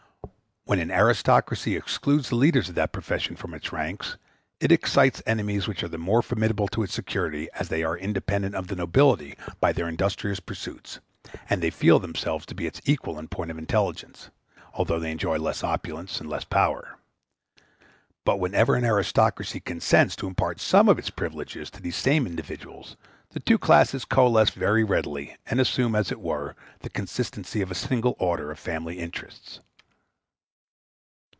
When an aristocracy excludes the leaders of that profession from its ranks, it excites enemies which are the more formidable to its security as they are independent of the nobility by their industrious pursuits; and they feel themselves to be its equal in point of intelligence, although they enjoy less opulence and less power. But whenever an aristocracy consents to impart some of its privileges to these same individuals, the two classes coalesce very readily, and assume, as it were, the consistency of a single order of family interests.